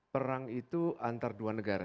perang itu antar dua negara